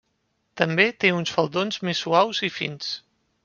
També té uns faldons més suaus i fins.